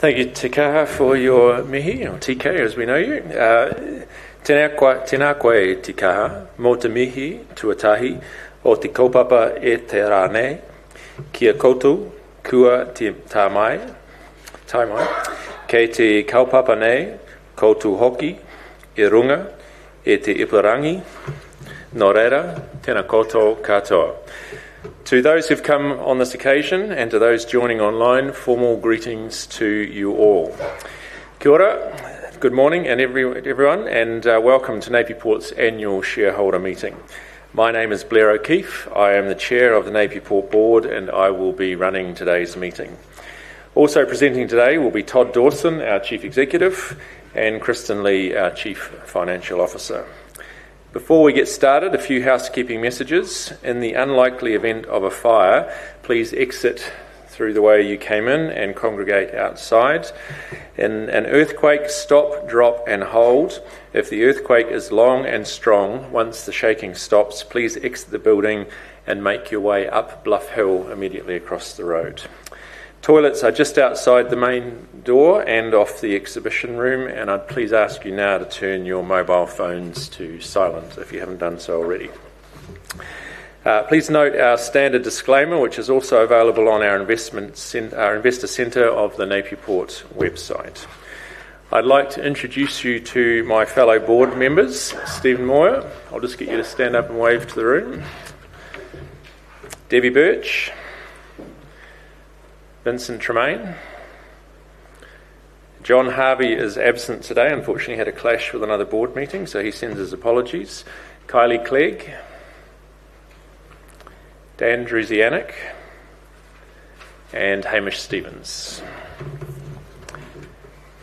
Thank you, Te Kaha, for your mihi or TK as we know you. Tēnā koe, Te Kaha. Me te mihi tuatahi o tēnei kaupapa e tīrana, kia kotē, kua tīmē. Ta mai tai wan. Kāti kaupapa nāē, kotē, hoki, i runga, ētī i pera ngi, nō reira, tēnā koutou, katoa. To those who've come on this occasion and to those joining online, formal greetings to you all. Kia ora, good morning everyone, and welcome to Napier Port's annual shareholder meeting. My name is Blair O'Keeffe. I am the chair of the Napier Port Board, and I will be running today's meeting. Also presenting today will be Todd Dawson, our Chief Executive, and Kristen Lie, our Chief Financial Officer. Before we get started, a few housekeeping messages. In the unlikely event of a fire, please exit through the way you came in and congregate outside. In an earthquake, stop, drop, and hold. If the earthquake is long and strong, once the shaking stops, please exit the building and make your way up Bluff Hill immediately across the road. Toilets are just outside the main door and off the exhibition room, and I'd please ask you now to turn your mobile phones to silent if you haven't done so already. Please note our standard disclaimer, which is also available on our investor center of the Napier Port website. I'd like to introduce you to my fellow board members, Stephen Moir. I'll just get you to stand up and wave to the room. Debbie Birch, Vincent Tremaine. John Harvey is absent today. Unfortunately, he had a clash with another board meeting, so he sends his apologies. Kylie Clegg, Dan Druzianic, and Hamish Stevens.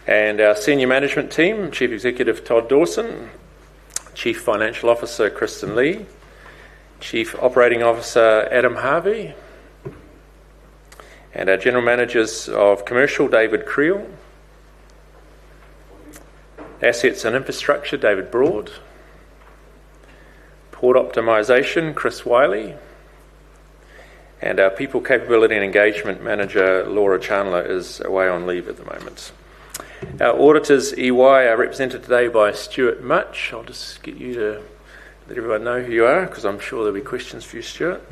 Our senior management team, Chief Executive Todd Dawson, Chief Financial Officer Kristen Lie, Chief Operating Officer Adam Harvey, and our General Manager of Commercial, David Kriel, General Manager of Assets and Infrastructure, David Broad, General Manager of Port Optimisation, Chris Wylie, and our People, Capability, and Engagement Manager, Laura Chandler, is away on leave at the moment. Our auditors, EY, are represented today by Stuart Mutch. I'll just get you to let everyone know who you are because I'm sure there'll be questions for you, Stuart.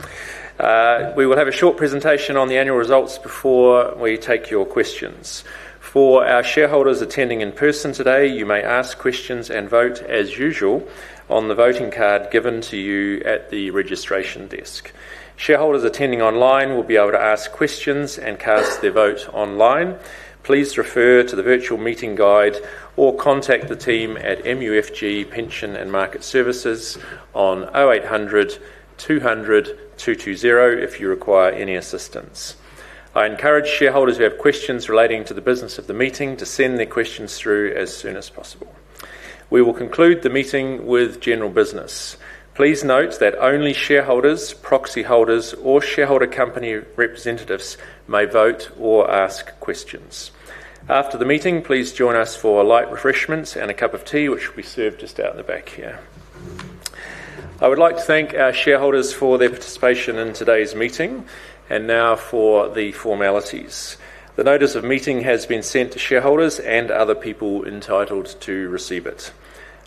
We will have a short presentation on the annual results before we take your questions. For our shareholders attending in person today, you may ask questions and vote as usual on the voting card given to you at the registration desk. Shareholders attending online will be able to ask questions and cast their vote online. Please refer to the virtual meeting guide or contact the team at MUFG Pension & Market Services on 0800-200-220 if you require any assistance. I encourage shareholders who have questions relating to the business of the meeting to send their questions through as soon as possible. We will conclude the meeting with general business. Please note that only shareholders, proxy holders, or shareholder company representatives may vote or ask questions. After the meeting, please join us for light refreshments and a cup of tea, which will be served just out in the back here. I would like to thank our shareholders for their participation in today's meeting and now for the formalities. The notice of meeting has been sent to shareholders and other people entitled to receive it.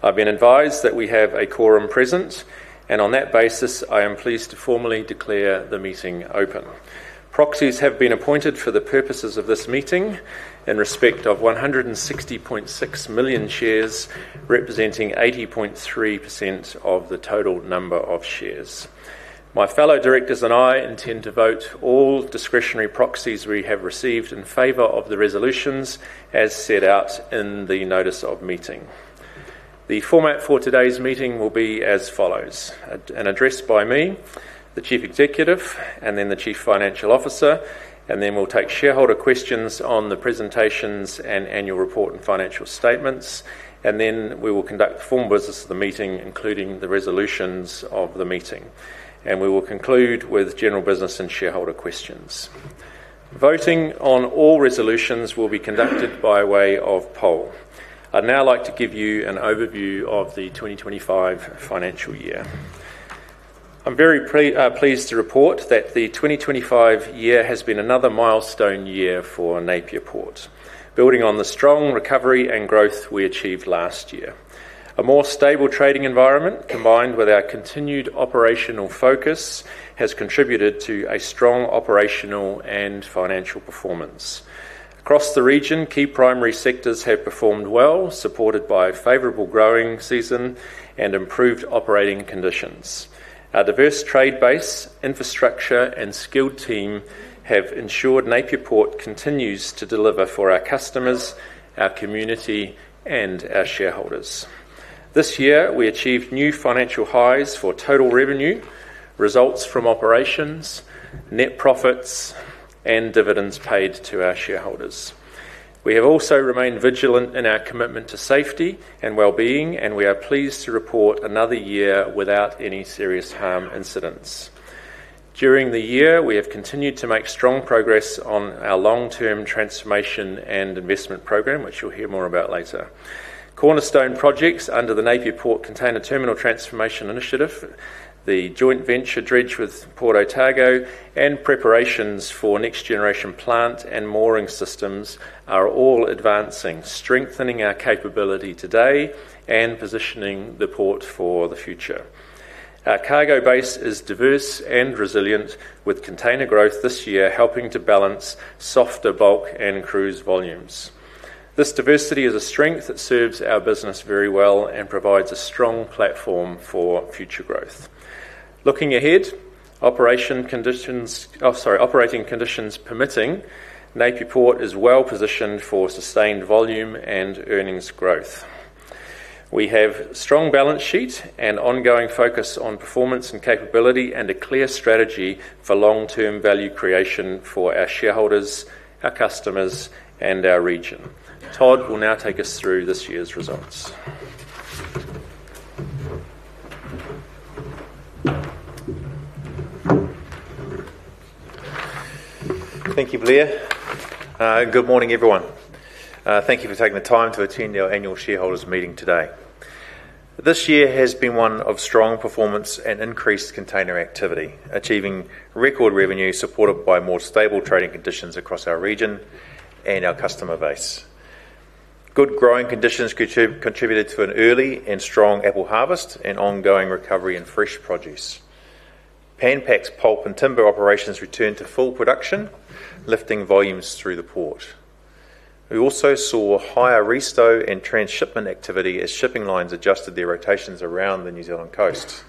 I've been advised that we have a quorum present, and on that basis, I am pleased to formally declare the meeting open. Proxies have been appointed for the purposes of this meeting in respect of 160.6 million shares, representing 80.3% of the total number of shares. My fellow directors and I intend to vote all discretionary proxies we have received in favor of the resolutions as set out in the notice of meeting. The format for today's meeting will be as follows: an address by me, the Chief Executive, and then the Chief Financial Officer, and then we'll take shareholder questions on the presentations and annual report and financial statements, and then we will conduct formal business of the meeting, including the resolutions of the meeting, and we will conclude with general business and shareholder questions. Voting on all resolutions will be conducted by way of poll. I'd now like to give you an overview of the 2025 financial year. I'm very pleased to report that the 2025 year has been another milestone year for Napier Port, building on the strong recovery and growth we achieved last year. A more stable trading environment, combined with our continued operational focus, has contributed to a strong operational and financial performance. Across the region, key primary sectors have performed well, supported by a favorable growing season and improved operating conditions. Our diverse trade base, infrastructure, and skilled team have ensured Napier Port continues to deliver for our customers, our community, and our shareholders. This year, we achieved new financial highs for total revenue, results from operations, net profits, and dividends paid to our shareholders. We have also remained vigilant in our commitment to safety and well-being, and we are pleased to report another year without any serious harm incidents. During the year, we have continued to make strong progress on our long-term transformation and investment program, which you'll hear more about later. Cornerstone projects under the Napier Port Container Terminal Transformation Initiative, the joint venture dredging with Port Otago, and preparations for next-generation plant and mooring systems are all advancing, strengthening our capability today and positioning the port for the future. Our cargo base is diverse and resilient, with container growth this year helping to balance softer bulk and cruise volumes. This diversity is a strength that serves our business very well and provides a strong platform for future growth. Looking ahead, operating conditions permitting, Napier Port is well positioned for sustained volume and earnings growth. We have strong balance sheets and ongoing focus on performance and capability and a clear strategy for long-term value creation for our shareholders, our customers, and our region. Todd will now take us through this year's results. Thank you, Blair. Good morning, everyone. Thank you for taking the time to attend our annual shareholders meeting today. This year has been one of strong performance and increased container activity, achieving record revenue supported by more stable trading conditions across our region and our customer base. Good growing conditions contributed to an early and strong apple harvest and ongoing recovery in fresh produce. Pan Pac's pulp and timber operations returned to full production, lifting volumes through the port. We also saw higher restow and transshipment activity as shipping lines adjusted their rotations around the New Zealand coast.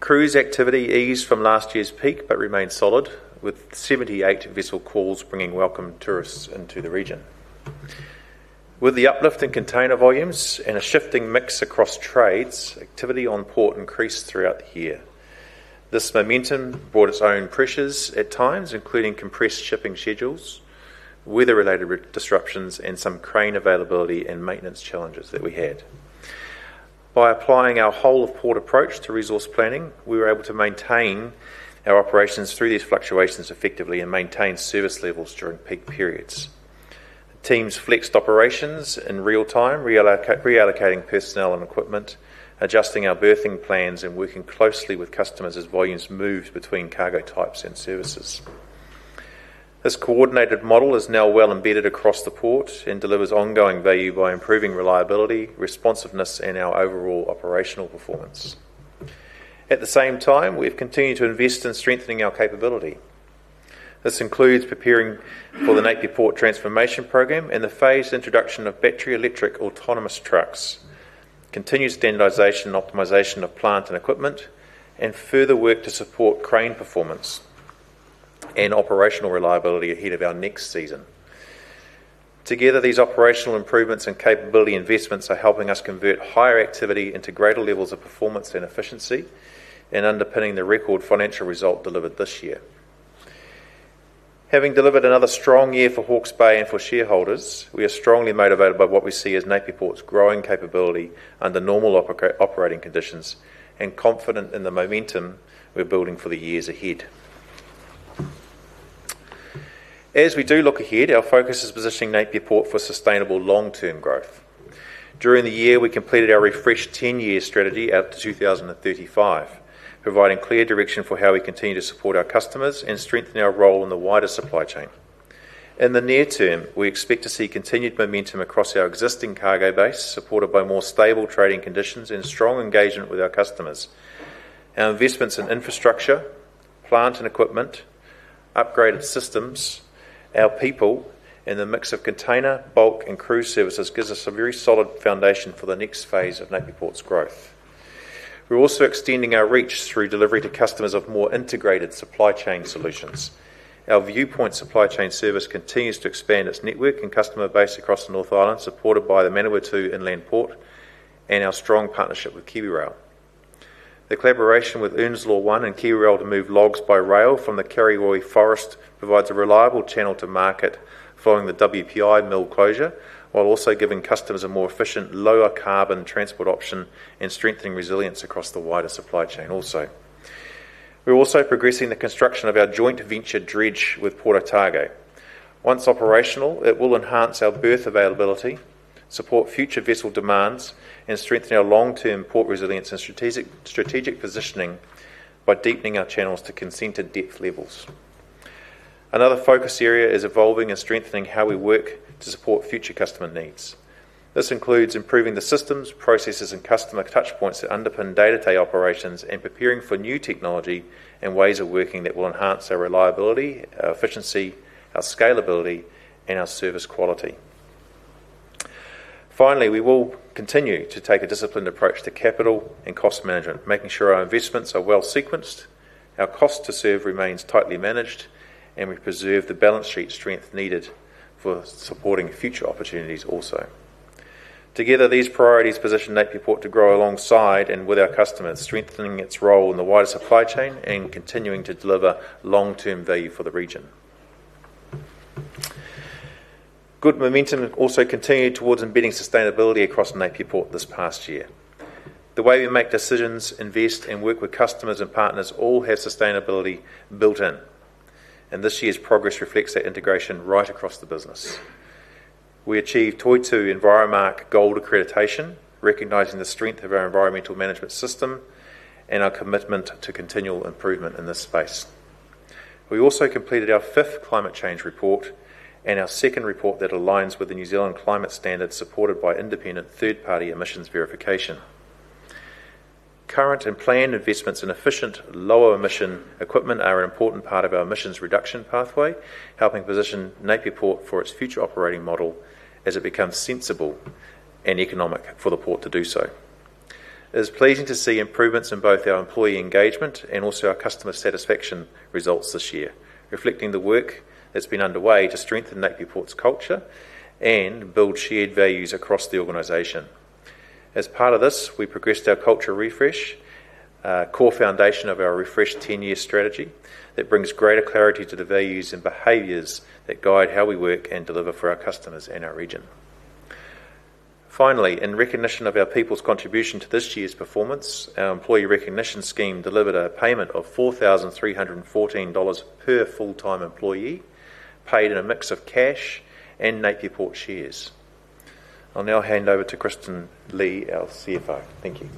Cruise activity eased from last year's peak but remained solid, with 78 vessel calls bringing welcome tourists into the region. With the uplift in container volumes and a shifting mix across trades, activity on port increased throughout the year. This momentum brought its own pressures at times, including compressed shipping schedules, weather-related disruptions, and some crane availability and maintenance challenges that we had. By applying our whole-of-port approach to resource planning, we were able to maintain our operations through these fluctuations effectively and maintain service levels during peak periods. The team's flexed operations in real time, reallocating personnel and equipment, adjusting our berthing plans, and working closely with customers as volumes moved between cargo types and services. This coordinated model is now well embedded across the port and delivers ongoing value by improving reliability, responsiveness, and our overall operational performance. At the same time, we have continued to invest in strengthening our capability. This includes preparing for the Napier Port Transformation Program and the phased introduction of battery electric autonomous trucks, continued standardization and optimization of plant and equipment, and further work to support crane performance and operational reliability ahead of our next season. Together, these operational improvements and capability investments are helping us convert higher activity into greater levels of performance and efficiency and underpinning the record financial result delivered this year. Having delivered another strong year for Hawke's Bay and for shareholders, we are strongly motivated by what we see as Napier Port's growing capability under normal operating conditions and confident in the momentum we're building for the years ahead. As we do look ahead, our focus is positioning Napier Port for sustainable long-term growth. During the year, we completed our refreshed 10-year strategy out to 2035, providing clear direction for how we continue to support our customers and strengthen our role in the wider supply chain. In the near term, we expect to see continued momentum across our existing cargo base, supported by more stable trading conditions and strong engagement with our customers. Our investments in infrastructure, plant and equipment, upgraded systems, our people, and the mix of container, bulk, and cruise services gives us a very solid foundation for the next phase of Napier Port's growth. We're also extending our reach through delivery to customers of more integrated supply chain solutions. Our Viewpoint Supply Chain service continues to expand its network and customer base across the North Island, supported by the Manawatu Inland Port and our strong partnership with KiwiRail. The collaboration with Earnslaw One and KiwiRail to move logs by rail from the Karioi Forest provides a reliable channel to market following the WPI mill closure, while also giving customers a more efficient, lower-carbon transport option and strengthening resilience across the wider supply chain also. We're also progressing the construction of our joint venture dredge with Port Otago. Once operational, it will enhance our berth availability, support future vessel demands, and strengthen our long-term port resilience and strategic positioning by deepening our channels to consented depth levels. Another focus area is evolving and strengthening how we work to support future customer needs. This includes improving the systems, processes, and customer touchpoints that underpin day-to-day operations and preparing for new technology and ways of working that will enhance our reliability, our efficiency, our scalability, and our service quality. Finally, we will continue to take a disciplined approach to capital and cost management, making sure our investments are well sequenced, our cost to serve remains tightly managed, and we preserve the balance sheet strength needed for supporting future opportunities also. Together, these priorities position Napier Port to grow alongside and with our customers, strengthening its role in the wider supply chain and continuing to deliver long-term value for the region. Good momentum also continued towards embedding sustainability across Napier Port this past year. The way we make decisions, invest, and work with customers and partners all have sustainability built in, and this year's progress reflects that integration right across the business. We achieved Toitū EnviroMark Gold accreditation, recognizing the strength of our environmental management system and our commitment to continual improvement in this space. We also completed our fifth climate change report and our second report that aligns with the New Zealand climate standards supported by independent third-party emissions verification. Current and planned investments in efficient, lower-emission equipment are an important part of our emissions reduction pathway, helping position Napier Port for its future operating model as it becomes sensible and economic for the port to do so. It is pleasing to see improvements in both our employee engagement and also our customer satisfaction results this year, reflecting the work that's been underway to strengthen Napier Port's culture and build shared values across the organization. As part of this, we progressed our culture refresh, a core foundation of our refreshed 10-year strategy that brings greater clarity to the values and behaviors that guide how we work and deliver for our customers and our region. Finally, in recognition of our people's contribution to this year's performance, our employee recognition scheme delivered a payment of 4,314 dollars per full-time employee, paid in a mix of cash and Napier Port shares. I'll now hand over to Kristen Lie, our CFO. Thank you.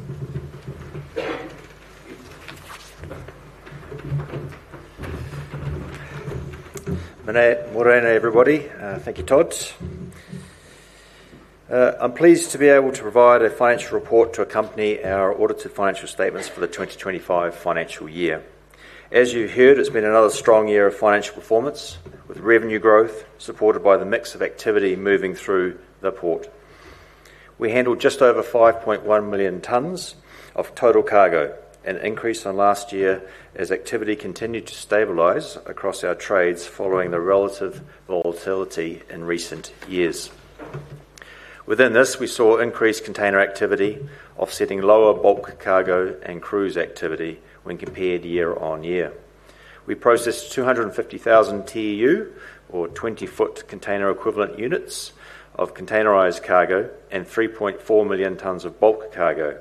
Morning, everybody. Thank you, Todd. I'm pleased to be able to provide a financial report to accompany our audited financial statements for the 2025 financial year. As you heard, it's been another strong year of financial performance, with revenue growth supported by the mix of activity moving through the port. We handled just over 5.1 million tonnes of total cargo, an increase from last year as activity continued to stabilize across our trades following the relative volatility in recent years. Within this, we saw increased container activity, offsetting lower bulk cargo and cruise activity when compared year on year. We processed 250,000 TEU, or 20-foot container equivalent units of containerized cargo, and 3.4 million tonnes of bulk cargo,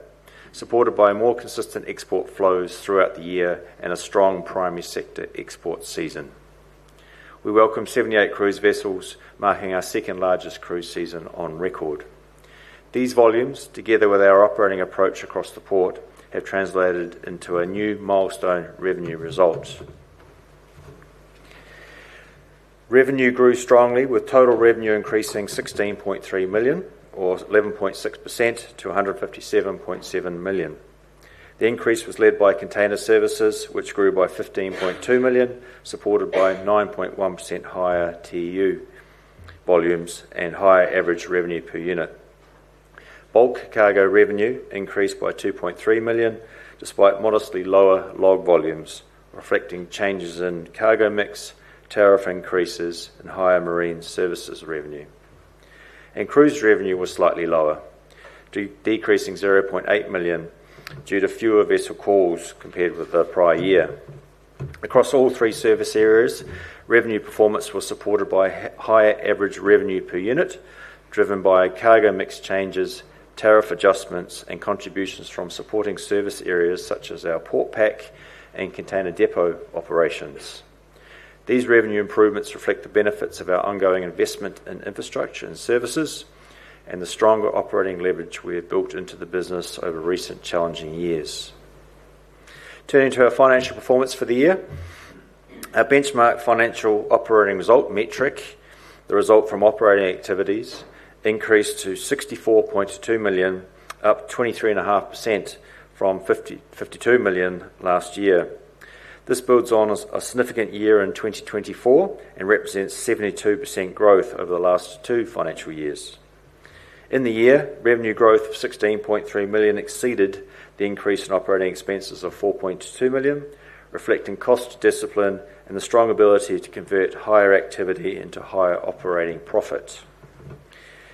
supported by more consistent export flows throughout the year and a strong primary sector export season. We welcome 78 cruise vessels, marking our second largest cruise season on record. These volumes, together with our operating approach across the port, have translated into a new milestone revenue result. Revenue grew strongly, with total revenue increasing 16.3 million, or 11.6%, to 157.7 million. The increase was led by container services, which grew by 15.2 million, supported by 9.1% higher TEU volumes and higher average revenue per unit. Bulk cargo revenue increased by 2.3 million, despite modestly lower log volumes, reflecting changes in cargo mix, tariff increases, and higher marine services revenue. Cruise revenue was slightly lower, decreasing 0.8 million due to fewer vessel calls compared with the prior year. Across all three service areas, revenue performance was supported by higher average revenue per unit, driven by cargo mix changes, tariff adjustments, and contributions from supporting service areas such as our Port Pack and container depot operations. These revenue improvements reflect the benefits of our ongoing investment in infrastructure and services and the stronger operating leverage we have built into the business over recent challenging years. Turning to our financial performance for the year, our benchmark financial operating result metric, the result from operating activities, increased to 64.2 million, up 23.5% from 52 million last year. This builds on a significant year in 2024 and represents 72% growth over the last two financial years. In the year, revenue growth of 16.3 million exceeded the increase in operating expenses of 4.2 million, reflecting cost discipline and the strong ability to convert higher activity into higher operating profit.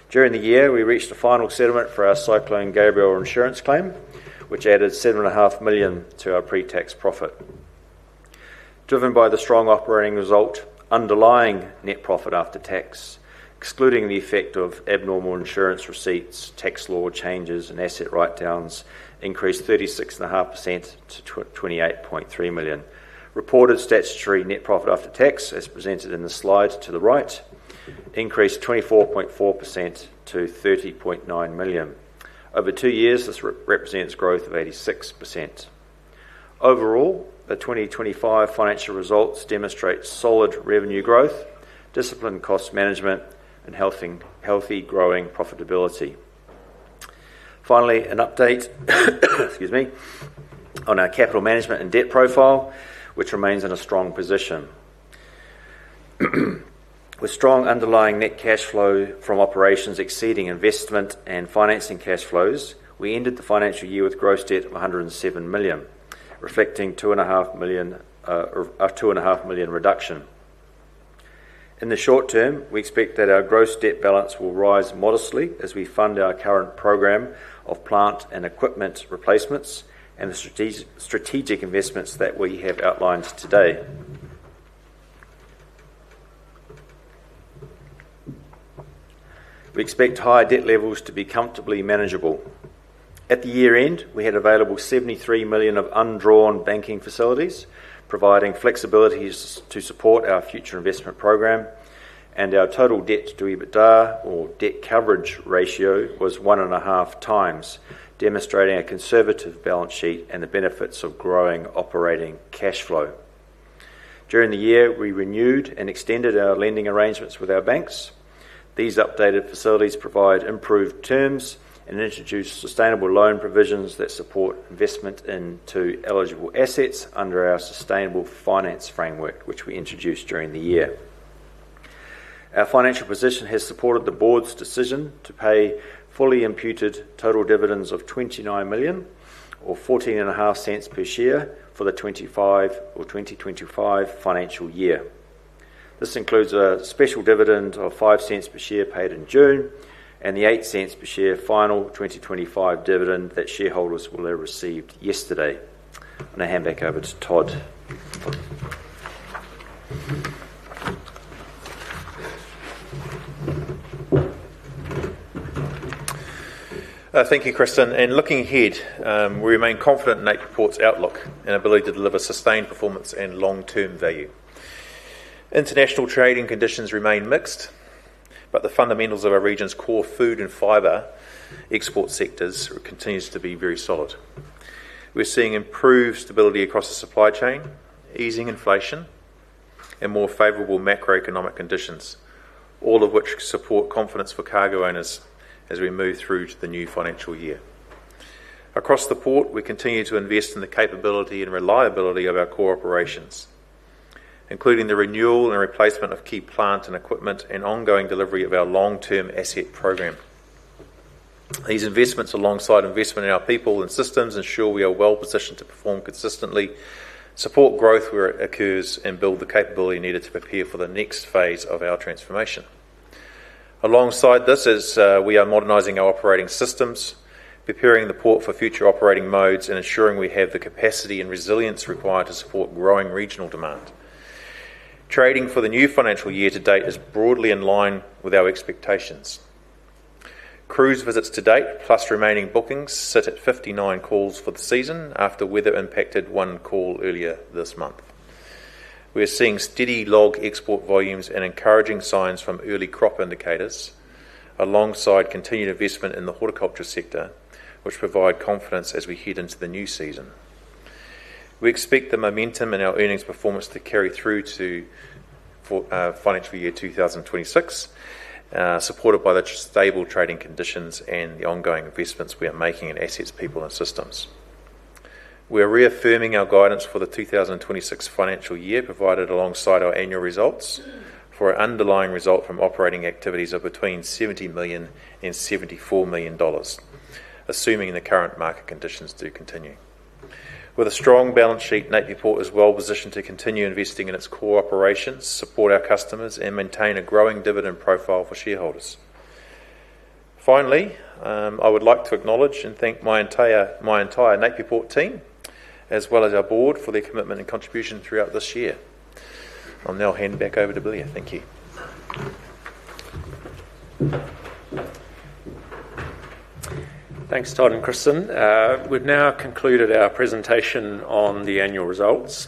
During the year, we reached a final settlement for our Cyclone Gabrielle insurance claim, which added 7.5 million to our pre-tax profit. Driven by the strong operating result underlying net profit after tax, excluding the effect of abnormal insurance receipts, tax law changes, and asset write-downs, increased 36.5% to 28.3 million. Reported statutory net profit after tax, as presented in the slide to the right, increased 24.4% to 30.9 million. Over two years, this represents growth of 86%. Overall, the 2025 financial results demonstrate solid revenue growth, disciplined cost management, and healthy growing profitability. Finally, an update on our capital management and debt profile, which remains in a strong position. With strong underlying net cash flow from operations exceeding investment and financing cash flows, we ended the financial year with gross debt of 107 million, reflecting 2.5 million reduction. In the short term, we expect that our gross debt balance will rise modestly as we fund our current program of plant and equipment replacements and the strategic investments that we have outlined today. We expect higher debt levels to be comfortably manageable. At the year end, we had available 73 million of undrawn banking facilities, providing flexibilities to support our future investment program, and our total debt to EBITDA, or debt coverage ratio, was one and a half times, demonstrating a conservative balance sheet and the benefits of growing operating cash flow. During the year, we renewed and extended our lending arrangements with our banks. These updated facilities provide improved terms and introduce sustainable loan provisions that support investment into eligible assets under our sustainable finance framework, which we introduced during the year. Our financial position has supported the board's decision to pay fully imputed total dividends of 29 million, or 0.145 per share, for the 2025 financial year. This includes a special dividend of 0.05 per share paid in June and the 0.08 per share final 2025 dividend that shareholders will have received yesterday. I'm going to hand back over to Todd. Thank you, Kristen. And looking ahead, we remain confident in Napier Port's outlook and ability to deliver sustained performance and long-term value. International trading conditions remain mixed, but the fundamentals of our region's core food and fiber export sectors continue to be very solid. We're seeing improved stability across the supply chain, easing inflation, and more favorable macroeconomic conditions, all of which support confidence for cargo owners as we move through to the new financial year. Across the port, we continue to invest in the capability and reliability of our core operations, including the renewal and replacement of key plant and equipment and ongoing delivery of our long-term asset program. These investments, alongside investment in our people and systems, ensure we are well positioned to perform consistently, support growth where it occurs, and build the capability needed to prepare for the next phase of our transformation. Alongside this, we are modernizing our operating systems, preparing the port for future operating modes, and ensuring we have the capacity and resilience required to support growing regional demand. Trading for the new financial year to date is broadly in line with our expectations. Cruise visits to date, plus remaining bookings, sit at 59 calls for the season after weather impacted one call earlier this month. We're seeing steady log export volumes and encouraging signs from early crop indicators, alongside continued investment in the horticulture sector, which provide confidence as we head into the new season. We expect the momentum in our earnings performance to carry through to financial year 2026, supported by the stable trading conditions and the ongoing investments we are making in assets, people, and systems. We are reaffirming our guidance for the 2026 financial year provided alongside our annual results for an underlying result from operating activities of between 70 million and 74 million dollars, assuming the current market conditions do continue. With a strong balance sheet, Napier Port is well positioned to continue investing in its core operations, support our customers, and maintain a growing dividend profile for shareholders. Finally, I would like to acknowledge and thank my entire Napier Port team, as well as our board, for their commitment and contribution throughout this year. I'll now hand back over to Blair. Thank you. Thanks, Todd and Kristen. We've now concluded our presentation on the annual results,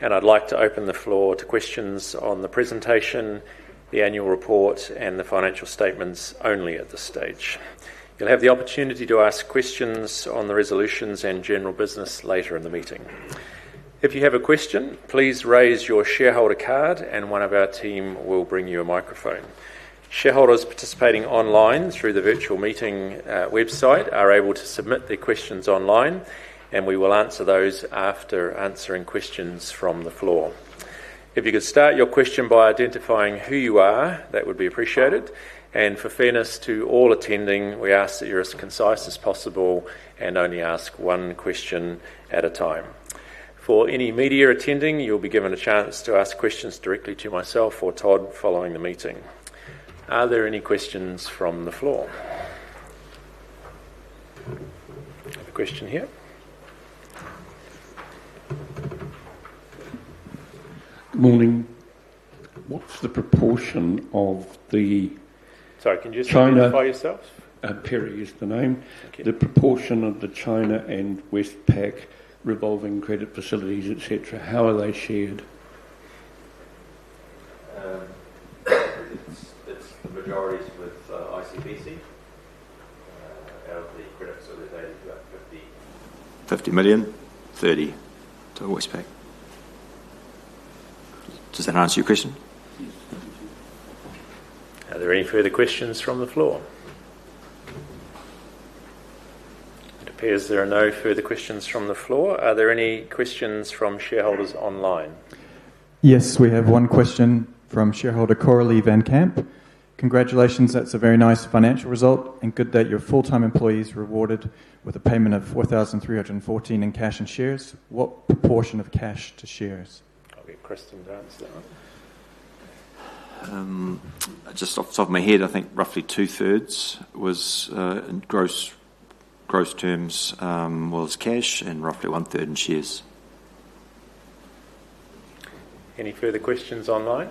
and I'd like to open the floor to questions on the presentation, the annual report, and the financial statements only at this stage. You'll have the opportunity to ask questions on the resolutions and general business later in the meeting. If you have a question, please raise your shareholder card, and one of our team will bring you a microphone. Shareholders participating online through the virtual meeting website are able to submit their questions online, and we will answer those after answering questions from the floor. If you could start your question by identifying who you are, that would be appreciated. For fairness to all attending, we ask that you're as concise as possible and only ask one question at a time. For any media attending, you'll be given a chance to ask questions directly to myself or Todd following the meeting. Are there any questions from the floor? A question here? Morning. What's the proportion of the China? Sorry, can you just clarify yourself? Perry is the name. The proportion of the China and Westpac revolving credit facilities, etc., how are they shared? It's the majority with ICBC. Out of the credits that we've added, we've got NZD 50 million, 30 million to Westpac. Does that answer your question? Yes. Thank you. Are there any further questions from the floor? It appears there are no further questions from the floor. Are there any questions from shareholders online? Yes, we have one question from shareholder Coralie van Camp. Congratulations. That's a very nice financial result, and good that your full-time employees are rewarded with a payment of 4,314 in cash and shares. What proportion of cash to shares? I'll give Kristen to answer that one. Just off the top of my head, I think roughly two-thirds was in gross terms was cash and roughly one-third in shares. Any further questions online?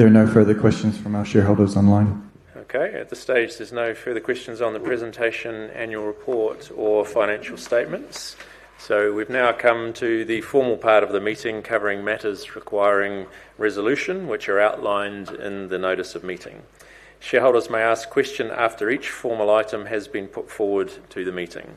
There are no further questions from our shareholders online. Okay. At this stage, there's no further questions on the presentation, annual report, or financial statements. So we've now come to the formal part of the meeting covering matters requiring resolution, which are outlined in the notice of meeting. Shareholders may ask a question after each formal item has been put forward to the meeting.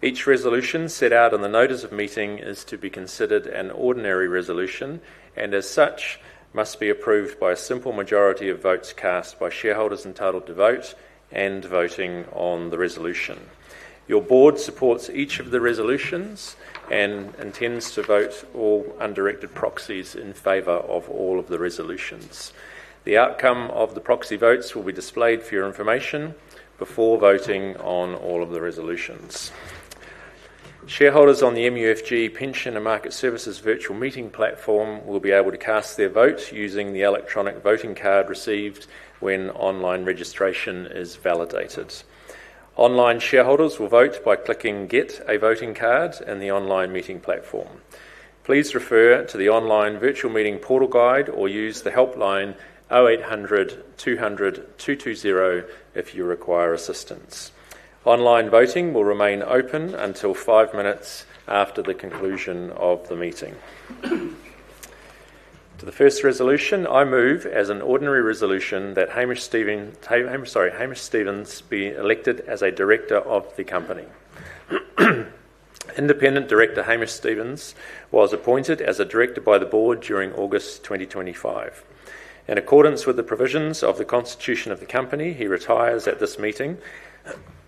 Each resolution set out in the notice of meeting is to be considered an ordinary resolution and, as such, must be approved by a simple majority of votes cast by shareholders entitled to vote and voting on the resolution. Your board supports each of the resolutions and intends to vote all undirected proxies in favour of all of the resolutions. The outcome of the proxy votes will be displayed for your information before voting on all of the resolutions. Shareholders on the MUFG Pension & Market Services virtual meeting platform will be able to cast their vote using the electronic voting card received when online registration is validated. Online shareholders will vote by clicking "Get a Voting Card" in the online meeting platform. Please refer to the online virtual meeting portal guide or use the helpline 0800 200 220 if you require assistance. Online voting will remain open until five minutes after the conclusion of the meeting. To the first resolution, I move as an ordinary resolution that Hamish Stevens be elected as a director of the company. Independent director Hamish Stevens was appointed as a director by the board during August 2025. In accordance with the provisions of the constitution of the company, he retires at this meeting.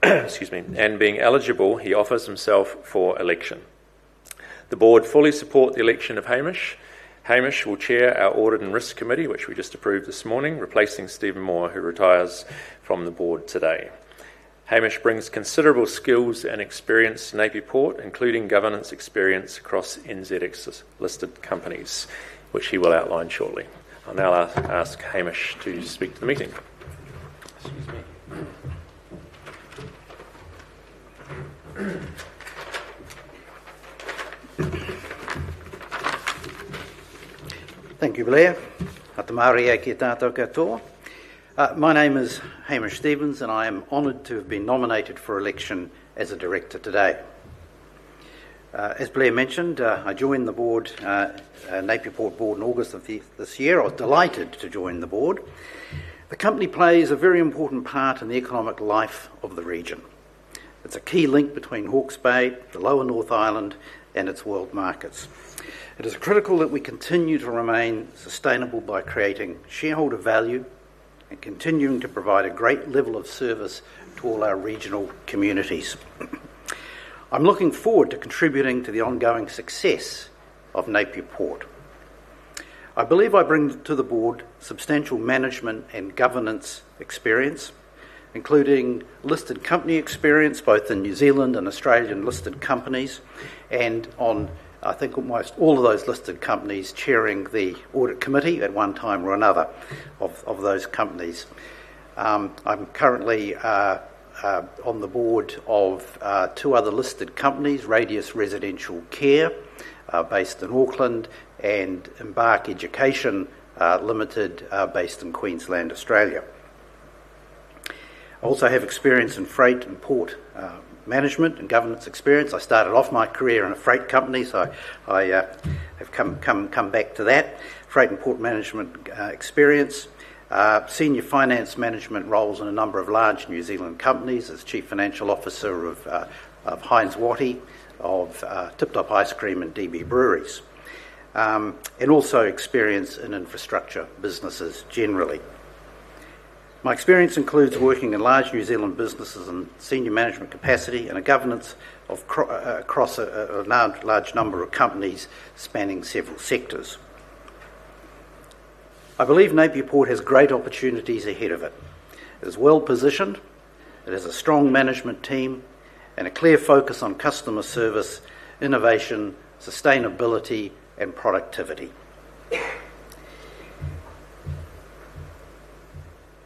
Excuse me. And being eligible, he offers himself for election. The board fully supports the election of Hamish. Hamish will chair our audit and risk committee, which we just approved this morning, replacing Stephen Moir, who retires from the board today. Hamish brings considerable skills and experience to Napier Port, including governance experience across NZX listed companies, which he will outline shortly. I'll now ask Hamish to speak to the meeting. Excuse me. Thank you, Blair. My name is Hamish Stevens, and I am honored to have been nominated for election as a director today. As Blair mentioned, I joined the board, Napier Port board, in August of this year. I was delighted to join the board. The company plays a very important part in the economic life of the region. It's a key link between Hawke's Bay, the lower North Island, and its world markets. It is critical that we continue to remain sustainable by creating shareholder value and continuing to provide a great level of service to all our regional communities. I'm looking forward to contributing to the ongoing success of Napier Port. I believe I bring to the board substantial management and governance experience, including listed company experience both in New Zealand and Australian listed companies, and on, I think, almost all of those listed companies chairing the audit committee at one time or another of those companies. I'm currently on the board of two other listed companies, Radius Residential Care based in Auckland, and Embark Education Limited based in Queensland, Australia. I also have experience in freight and port management and governance experience. I started off my career in a freight company, so I have come back to that freight and port management experience, senior finance management roles in a number of large New Zealand companies as chief financial officer of Heinz Wattie's, of Tip Top Ice Cream, and DB Breweries, and also experience in infrastructure businesses generally. My experience includes working in large New Zealand businesses in a senior management capacity and in governance across a large number of companies spanning several sectors. I believe Napier Port has great opportunities ahead of it. It is well positioned. It has a strong management team and a clear focus on customer service, innovation, sustainability, and productivity.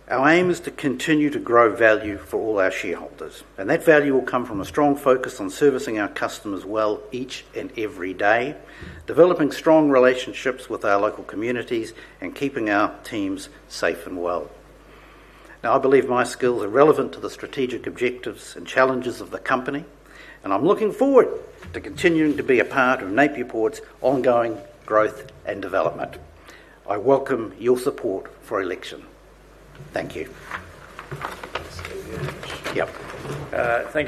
Our aim is to continue to grow value for all our shareholders, and that value will come from a strong focus on servicing our customers well each and every day, developing strong relationships with our local communities, and keeping our teams safe and well. Now, I believe my skills are relevant to the strategic objectives and challenges of the company, and I'm looking forward to continuing to be a part of Napier Port's ongoing growth and development. I welcome your support for election. Thank you. Yep. Thank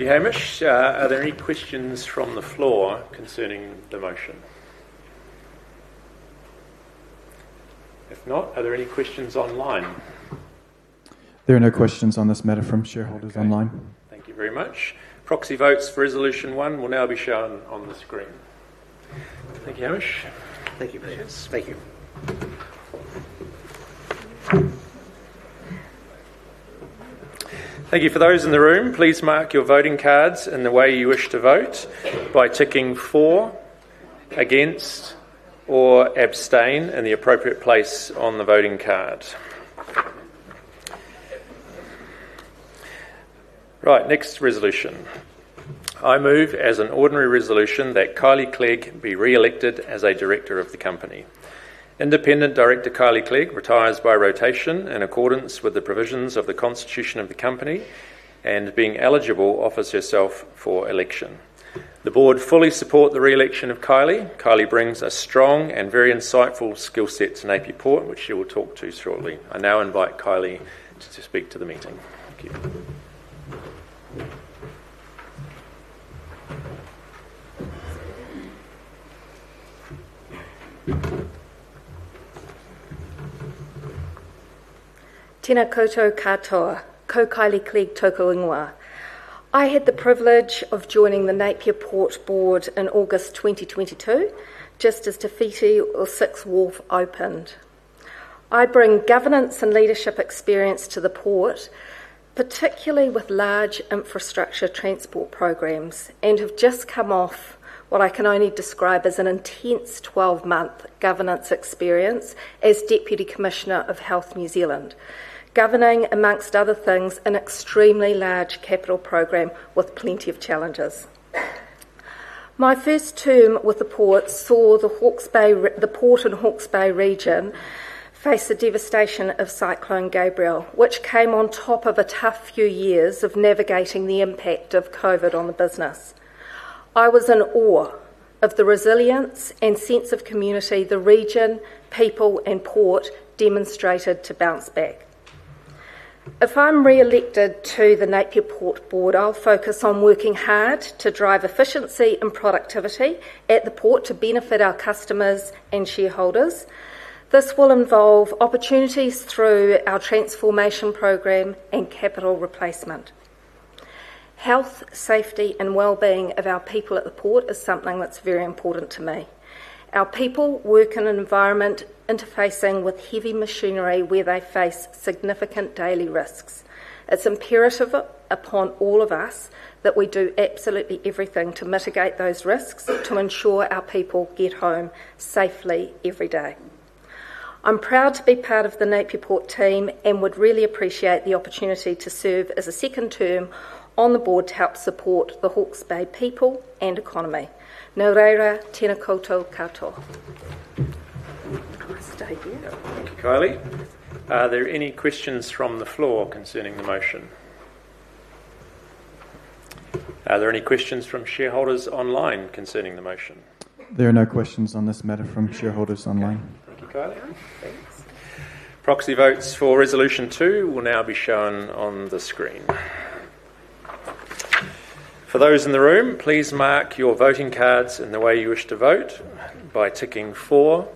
you, Hamish. Are there any questions from the floor concerning the motion? If not, are there any questions online? There are no questions on this matter from shareholders online. Thank you very much. Proxy votes for resolution one will now be shown on the screen. Thank you, Hamish. Thank you, Blair. Thank you. Thank you. For those in the room, please mark your voting cards in the way you wish to vote by ticking for, against, or abstain in the appropriate place on the voting card. Right. Next resolution. I move as an ordinary resolution that Kylie Clegg be re-elected as a director of the company. Independent director Kylie Clegg retires by rotation in accordance with the provisions of the constitution of the company, and being eligible, offers herself for election. The board fully supports the re-election of Kylie. Kylie brings a strong and very insightful skill set to Napier Port, which she will talk to shortly. I now invite Kylie to speak to the meeting. Thank you. Tēnā koutou katoa, ko Kylie Clegg tēnā koutou. I had the privilege of joining the Napier Port Board in August 2022 just as Te Whiti or 6 Wharf opened. I bring governance and leadership experience to the port, particularly with large infrastructure transport programs, and have just come off what I can only describe as an intense 12-month governance experience as Deputy Commissioner of Health New Zealand, governing, amongst other things, an extremely large capital program with plenty of challenges. My first term with the port saw the Hawke's Bay, the port and Hawke's Bay region, face the devastation of Cyclone Gabrielle, which came on top of a tough few years of navigating the impact of COVID on the business. I was in awe of the resilience and sense of community the region, people, and port demonstrated to bounce back. If I'm re-elected to the Napier Port Board, I'll focus on working hard to drive efficiency and productivity at the port to benefit our customers and shareholders. This will involve opportunities through our transformation program and capital replacement. Health, safety, and well-being of our people at the port is something that's very important to me. Our people work in an environment interfacing with heavy machinery where they face significant daily risks. It's imperative upon all of us that we do absolutely everything to mitigate those risks to ensure our people get home safely every day. I'm proud to be part of the Napier Port team and would really appreciate the opportunity to serve as a second term on the board to help support the Hawke's Bay people and economy. Nereira Tinakoto Kato. Can I stay here? Thank you, Kylie. Are there any questions from the floor concerning the motion? Are there any questions from shareholders online concerning the motion? There are no questions on this matter from shareholders online. Thank you, Kylie. Proxy votes for resolution two will now be shown on the screen. For those in the room, please mark your voting cards in the way you wish to vote by ticking for,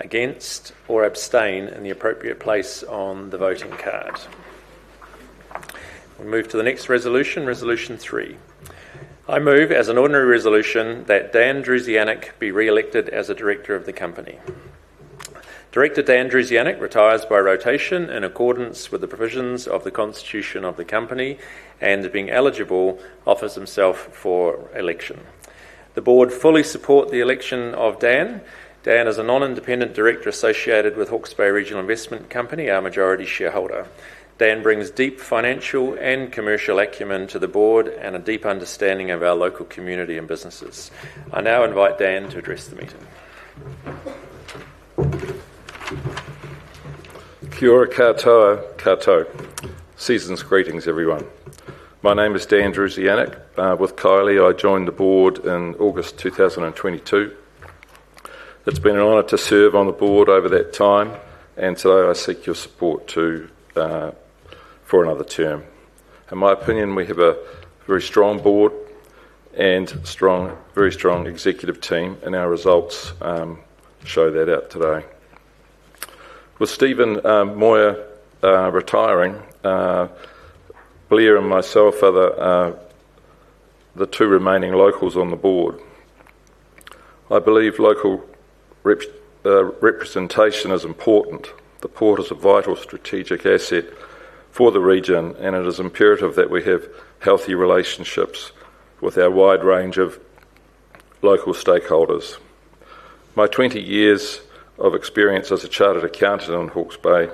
against, or abstain in the appropriate place on the voting card. We move to the next resolution, resolution three. I move as an ordinary resolution that Dan Druzianic be re-elected as a director of the company. Director Dan Druzianic retires by rotation in accordance with the provisions of the constitution of the company and, being eligible, offers himself for election. The board fully supports the election of Dan. Dan is a non-independent director associated with Hawke's Bay Regional Investment Company, our majority shareholder. Dan brings deep financial and commercial acumen to the board and a deep understanding of our local community and businesses. I now invite Dan to address the meeting. Kia ora katoa, Kato. Season's greetings, everyone. My name is Dan Druzianic. With Kylie, I joined the board in August 2022. It's been an honor to serve on the board over that time, and today I seek your support for another term. In my opinion, we have a very strong board and very strong executive team, and our results show that out today. With Stephen Moir retiring, Blair and myself are the two remaining locals on the board. I believe local representation is important. The port is a vital strategic asset for the region, and it is imperative that we have healthy relationships with our wide range of local stakeholders. My 20 years of experience as a chartered accountant in Hawke's Bay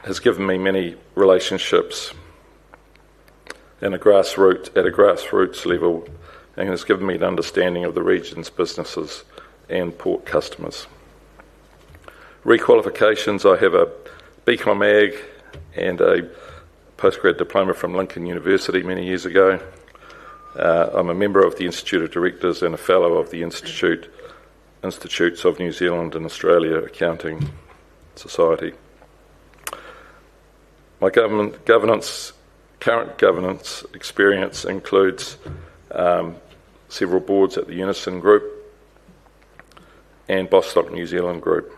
has given me many relationships at a grassroots level and has given me an understanding of the region's businesses and port customers. Qualifications: I have a BCom Ag and a post-grad diploma from Lincoln University many years ago. I'm a member of the Institute of Directors and a fellow of the Institutes of New Zealand and Australia Accounting Society. My current governance experience includes several boards at the Unison Group and Bostock New Zealand Group,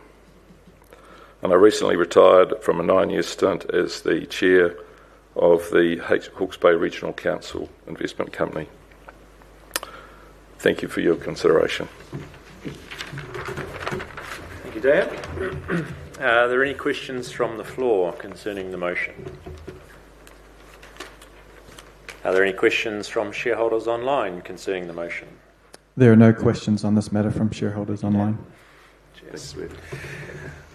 and I recently retired from a nine-year stint as the chair of the Hawke's Bay Regional Council Investment Company. Thank you for your consideration. Thank you, Dan. Are there any questions from the floor concerning the motion? Are there any questions from shareholders online concerning the motion? There are no questions on this matter from shareholders online.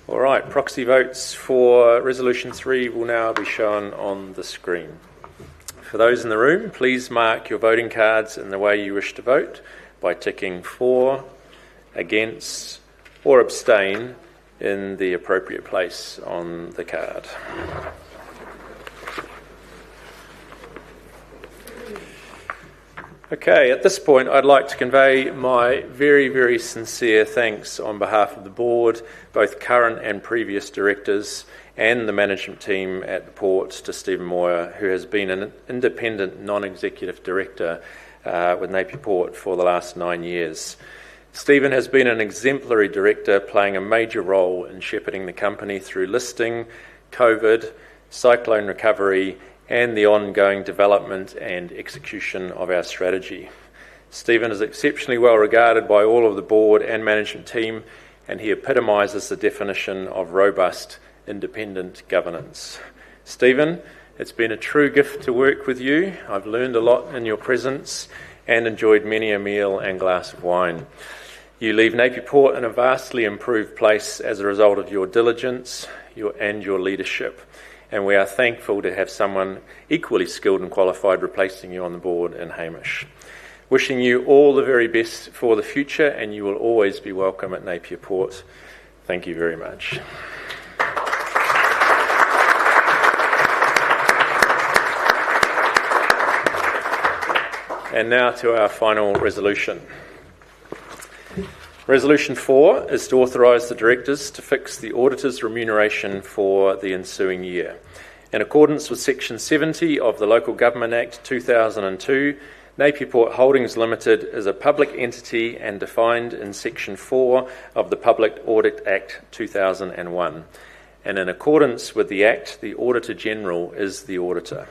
All right. Proxy votes for resolution three will now be shown on the screen. For those in the room, please mark your voting cards in the way you wish to vote by ticking for, against, or abstain in the appropriate place on the card. Okay. At this point, I'd like to convey my very, very sincere thanks on behalf of the board, both current and previous directors, and the management team at the port to Stephen Moir, who has been an independent non-executive director with Napier Port for the last nine years. Stephen has been an exemplary director, playing a major role in shepherding the company through listing, COVID, cyclone recovery, and the ongoing development and execution of our strategy. Stephen is exceptionally well regarded by all of the board and management team, and he epitomizes the definition of robust independent governance. Stephen, it's been a true gift to work with you. I've learned a lot in your presence and enjoyed many a meal and glass of wine. You leave Napier Port in a vastly improved place as a result of your diligence and your leadership, and we are thankful to have someone equally skilled and qualified replacing you on the board and Hamish. Wishing you all the very best for the future, and you will always be welcome at Napier Port. Thank you very much, and now to our final resolution. Resolution four is to authorize the directors to fix the auditor's remuneration for the ensuing year. In accordance with Section 70 of the Local Government Act 2002, Napier Port Holdings Limited is a public entity and defined in Section 4 of the Public Audit Act 2001 and in accordance with the act, the auditor general is the auditor.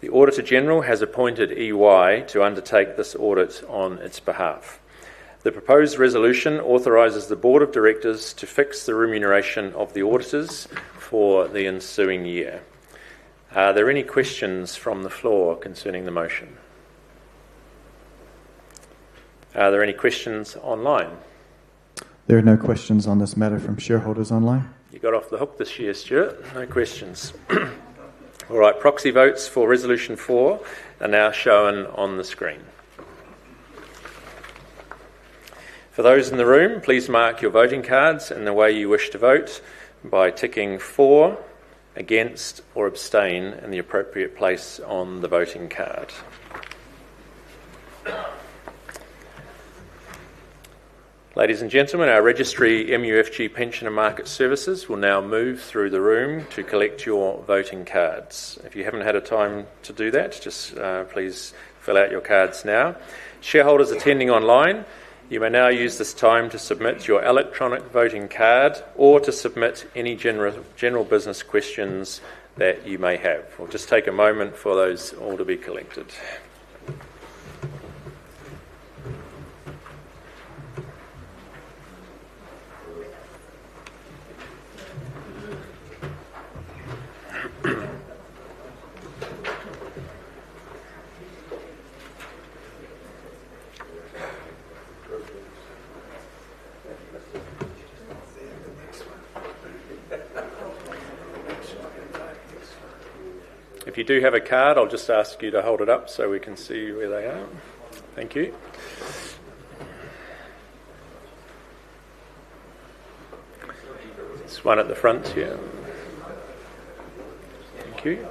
The auditor general has appointed EY to undertake this audit on its behalf. The proposed resolution authorizes the board of directors to fix the remuneration of the auditors for the ensuing year. Are there any questions from the floor concerning the motion? Are there any questions online? There are no questions on this matter from shareholders online. You got off the hook this year, Stuart. No questions. All right. Proxy votes for resolution four are now shown on the screen. For those in the room, please mark your voting cards in the way you wish to vote by ticking for, against, or abstain in the appropriate place on the voting card. Ladies and gentlemen, our registry, MUFG Pension & Market Services, will now move through the room to collect your voting cards. If you haven't had a time to do that, just please fill out your cards now. Shareholders attending online, you may now use this time to submit your electronic voting card or to submit any general business questions that you may have. We'll just take a moment for those all to be collected. If you do have a card, I'll just ask you to hold it up so we can see where they are. Thank you. There's one at the front here. Thank you.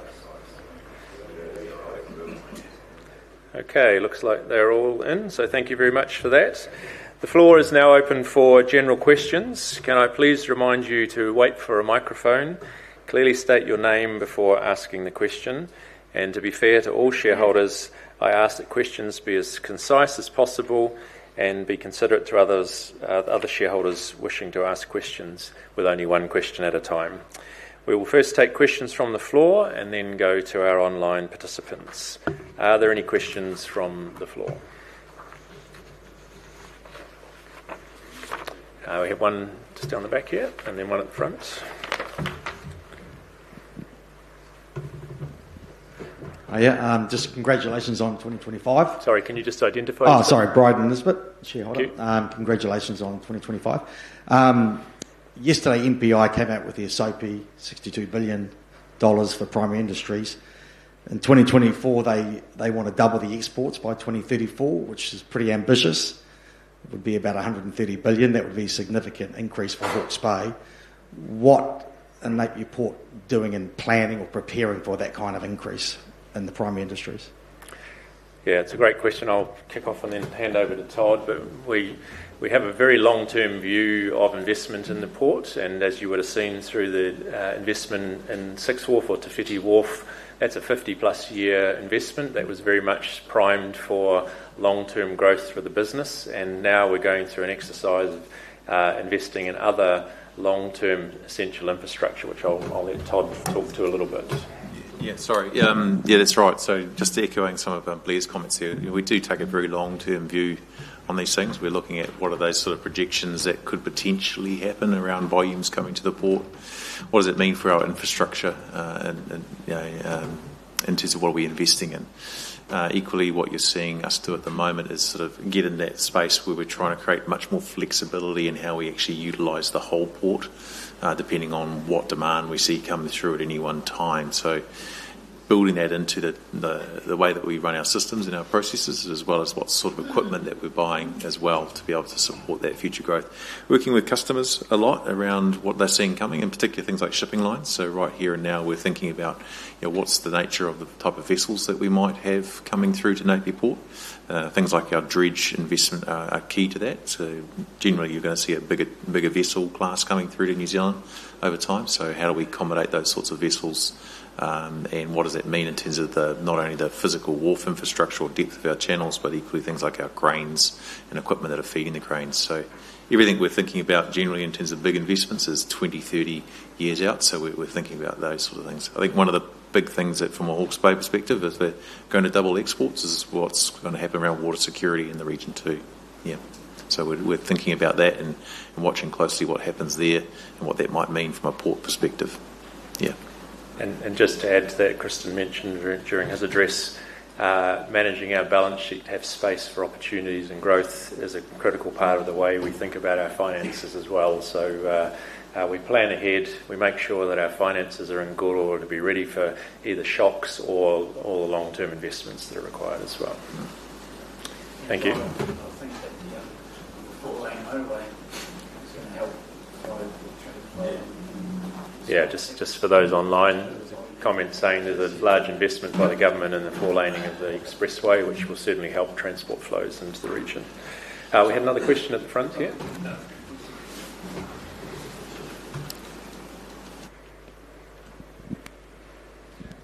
Okay. Looks like they're all in, so thank you very much for that. The floor is now open for general questions. Can I please remind you to wait for a microphone, clearly state your name before asking the question, and to be fair to all shareholders, I ask that questions be as concise as possible and be considerate to other shareholders wishing to ask questions with only one question at a time. We will first take questions from the floor and then go to our online participants. Are there any questions from the floor? We have one just down the back here and then one at the front. Just congratulations on 2025. Sorry, can you just identify yourself? Oh, sorry. Brydon Nisbet. Congratulations on 2025. Yesterday, MPI came out with the SOPI 62 billion dollars for primary industries. In 2024, they want to double the exports by 2034, which is pretty ambitious. It would be about 130 billion. That would be a significant increase for Hawke's Bay. What are Napier Port doing in planning or preparing for that kind of increase in the primary industries? Yeah, it's a great question. I'll kick off and then hand over to Todd. But we have a very long-term view of investment in the port, and as you would have seen through the investment in Sixth Wharf or Te Whiti Wharf, that's a 50-plus-year investment that was very much primed for long-term growth for the business. And now we're going through an exercise of investing in other long-term essential infrastructure, which I'll let Todd talk to a little bit. Yeah, sorry. Yeah, that's right. So just echoing some of Blair's comments here, we do take a very long-term view on these things. We're looking at what are those sort of projections that could potentially happen around volumes coming to the port, what does it mean for our infrastructure in terms of what we're investing in. Equally, what you're seeing us do at the moment is sort of get in that space where we're trying to create much more flexibility in how we actually utilize the whole port depending on what demand we see coming through at any one time, so building that into the way that we run our systems and our processes, as well as what sort of equipment that we're buying as well to be able to support that future growth, working with customers a lot around what they're seeing coming, and particularly things like shipping lines. Right here and now, we're thinking about what's the nature of the type of vessels that we might have coming through to Napier Port. Things like our dredge investment are key to that. Generally, you're going to see a bigger vessel class coming through to New Zealand over time. How do we accommodate those sorts of vessels, and what does that mean in terms of not only the physical wharf infrastructure or depth of our channels, but equally things like our cranes and equipment that are feeding the cranes? Everything we're thinking about generally in terms of big investments is 20, 30 years out. We're thinking about those sort of things. I think one of the big things from a Hawke's Bay perspective is we're going to double exports is what's going to happen around water security in the region too. Yeah. So we're thinking about that and watching closely what happens there and what that might mean from a port perspective. Yeah. And just to add to that, Kristen mentioned during his address, managing our balance sheet to have space for opportunities and growth is a critical part of the way we think about our finances as well. So we plan ahead. We make sure that our finances are in good order to be ready for either shocks or all the long-term investments that are required as well. Thank you. Yeah, just for those online comments saying there's a large investment by the government in the four-laning of the expressway, which will certainly help transport flows into the region. We had another question at the front here.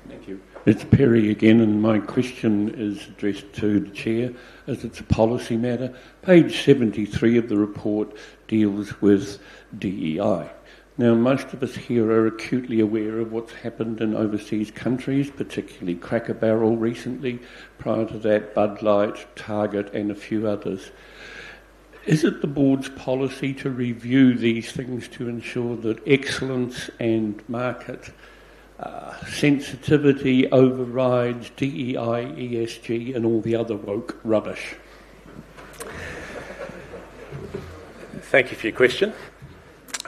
Thank you. It's Perry again, and my question is addressed to the chair. As it's a policy matter, page 73 of the report deals with DEI. Now, most of us here are acutely aware of what's happened in overseas countries, particularly Cracker Barrel recently, prior to that, Bud Light, Target, and a few others. Is it the board's policy to review these things to ensure that excellence and market sensitivity overrides DEI, ESG, and all the other rogue rubbish? Thank you for your question.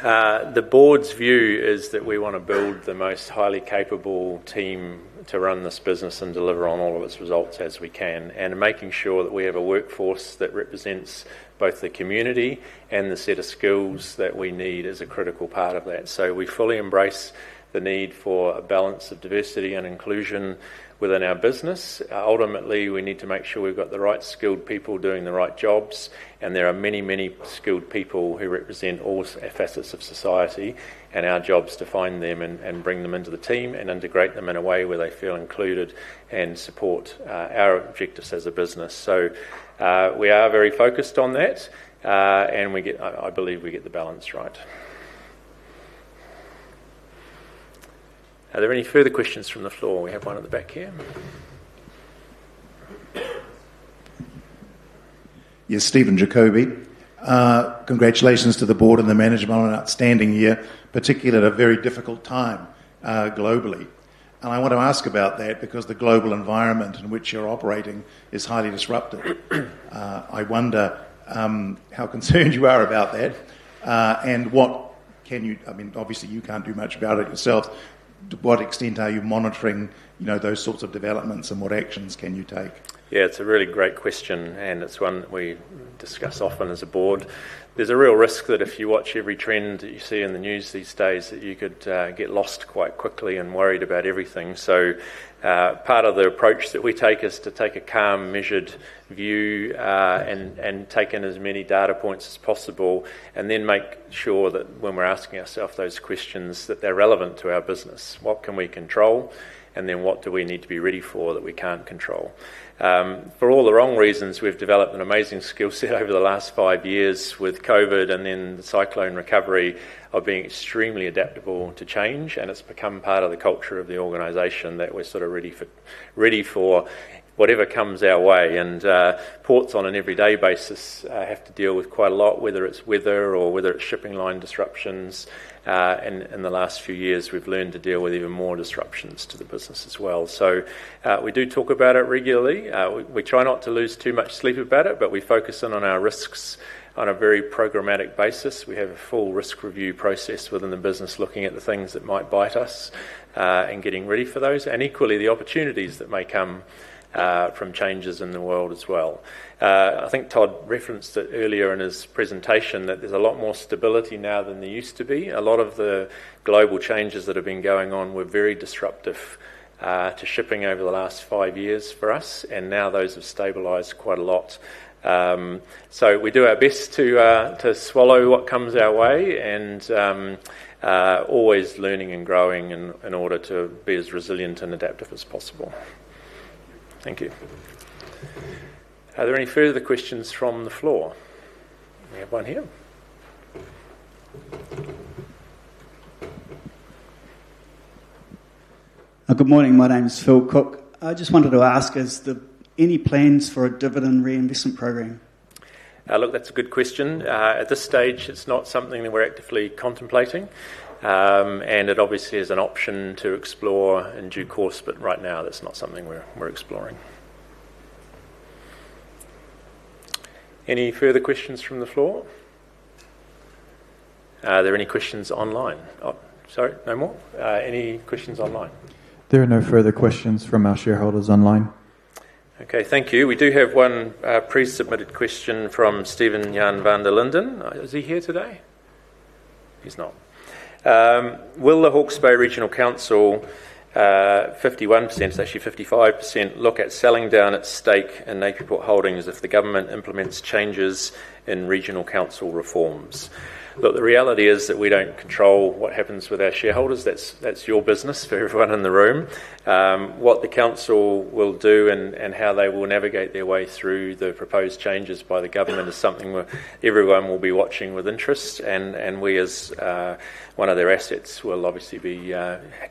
The board's view is that we want to build the most highly capable team to run this business and deliver on all of its results as we can, and making sure that we have a workforce that represents both the community and the set of skills that we need as a critical part of that. So we fully embrace the need for a balance of diversity and inclusion within our business. Ultimately, we need to make sure we've got the right skilled people doing the right jobs, and there are many, many skilled people who represent all facets of society, and our job is to find them and bring them into the team and integrate them in a way where they feel included and support our objectives as a business. So we are very focused on that, and I believe we get the balance right. Are there any further questions from the floor? We have one at the back here. Yes, Stephen Jacobi. Congratulations to the board and the management on an outstanding year, particularly at a very difficult time globally. And I want to ask about that because the global environment in which you're operating is highly disrupted. I wonder how concerned you are about that and what can you-I mean, obviously, you can't do much about it yourself. To what extent are you monitoring those sorts of developments, and what actions can you take? Yeah, it's a really great question, and it's one that we discuss often as a board. There's a real risk that if you watch every trend that you see in the news these days, that you could get lost quite quickly and worried about everything. So part of the approach that we take is to take a calm, measured view and take in as many data points as possible, and then make sure that when we're asking ourselves those questions, that they're relevant to our business. What can we control, and then what do we need to be ready for that we can't control? For all the wrong reasons, we've developed an amazing skill set over the last five years with COVID and then the cyclone recovery of being extremely adaptable to change, and it's become part of the culture of the organization that we're sort of ready for whatever comes our way. And ports on an everyday basis have to deal with quite a lot, whether it's weather or whether it's shipping line disruptions. In the last few years, we've learned to deal with even more disruptions to the business as well. So we do talk about it regularly. We try not to lose too much sleep about it, but we focus in on our risks on a very programmatic basis. We have a full risk review process within the business, looking at the things that might bite us and getting ready for those, and equally the opportunities that may come from changes in the world as well. I think Todd referenced it earlier in his presentation that there's a lot more stability now than there used to be. A lot of the global changes that have been going on were very disruptive to shipping over the last five years for us, and now those have stabilized quite a lot. So we do our best to swallow what comes our way and always learning and growing in order to be as resilient and adaptive as possible. Thank you. Are there any further questions from the floor? We have one here. Good morning. My name's Phil Cook. I just wanted to ask, is there any plans for a dividend reinvestment program? Look, that's a good question. At this stage, it's not something that we're actively contemplating, and it obviously is an option to explore in due course, but right now, that's not something we're exploring. Any further questions from the floor? Are there any questions online? Sorry, no more? Any questions online? There are no further questions from our shareholders online. Okay, thank you. We do have one pre-submitted question from Steven Jan van der Linden. Is he here today? He's not. Will the Hawke's Bay Regional Council, 51%, it's actually 55%, look at selling down its stake in Napier Port Holdings if the government implements changes in regional council reforms? Look, the reality is that we don't control what happens with our shareholders. That's your business, for everyone in the room. What the council will do and how they will navigate their way through the proposed changes by the government is something everyone will be watching with interest, and we, as one of their assets, will obviously be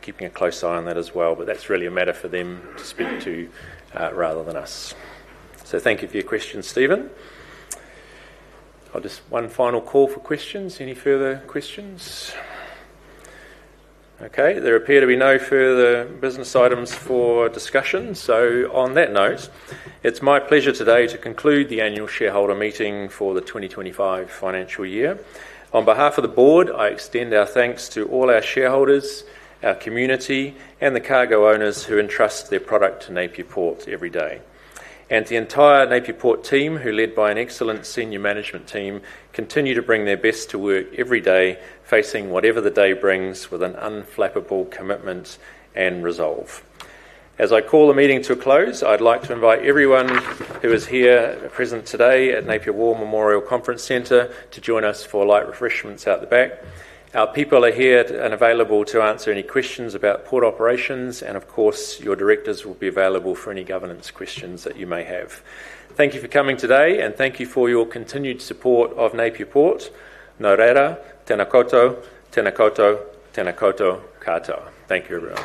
keeping a close eye on that as well. But that's really a matter for them to speak to rather than us. So thank you for your questions, Stephen. I'll just one final call for questions. Any further questions? Okay. There appear to be no further business items for discussion. So on that note, it's my pleasure today to conclude the annual shareholder meeting for the 2025 financial year. On behalf of the board, I extend our thanks to all our shareholders, our community, and the cargo owners who entrust their product to Napier Port every day. And to the entire Napier Port team who, led by an excellent senior management team, continue to bring their best to work every day, facing whatever the day brings with an unflappable commitment and resolve. As I call the meeting to a close, I'd like to invite everyone who is here present today at Napier War Memorial Conference Centre to join us for light refreshments out the back. Our people are here and available to answer any questions about port operations, and of course, your directors will be available for any governance questions that you may have. Thank you for coming today, and thank you for your continued support of Napier Port. Nā reira, tēnā koutou, tēnā koutou, tēnā koutou, katoa. Thank you, everyone.